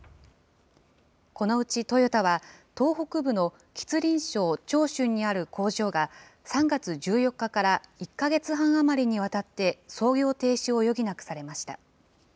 このうちトヨタは、東北部の吉林省長春にある工場が３月１４日から１か月半余りにわたって操業停止を余儀なくされました。